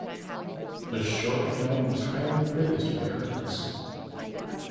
The short film was highly praised by critics.